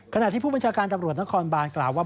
ขณะที่ผู้บัญชาการตำรวจนครบานกล่าวว่า